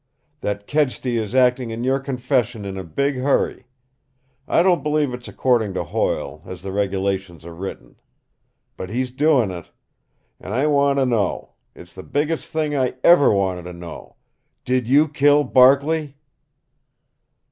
"That Kedsty is acting on your confession in a big hurry. I don't believe it's according to Hoyle, as the regulations are written. But he's doing it. And I want to know it's the biggest thing I EVER wanted to know did you kill Barkley?"